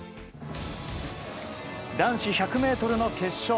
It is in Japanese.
男子１００ｍの決勝。